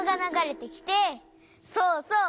そうそう！